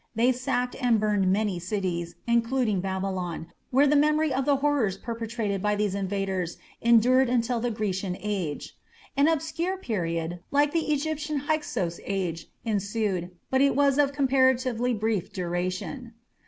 They sacked and burned many cities, including Babylon, where the memory of the horrors perpetrated by these invaders endured until the Grecian Age. An obscure period, like the Egyptian Hyksos Age, ensued, but it was of comparatively brief duration.